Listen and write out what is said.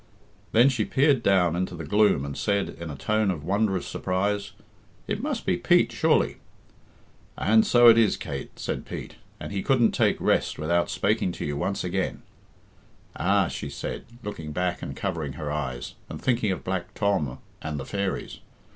Then she peered down into the gloom and said, in a tone of wondrous surprise, "It must be Pete, surely." "And so it is, Kate," said Pete, "and he couldn't take rest without spaking to you once again." "Ah!" she said, looking back and covering her eyes, and thinking of Black Tom and the fairies.